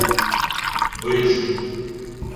— Виджу.